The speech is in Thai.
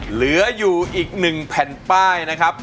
เหลืออยู่อีก๑แผ่นป้ายนะครับ